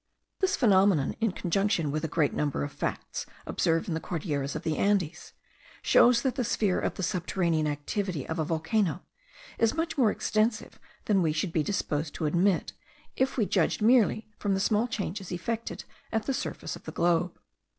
This phenomenon, in conjunction with a great number of facts observed in the Cordilleras of the Andes, shows that the sphere of the subterranean activity of a volcano is much more extensive than we should be disposed to admit, if we judged merely from the small changes effected at the surface of the globe.